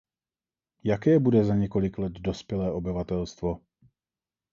Jaké bude za několik let dospělé obyvatelstvo?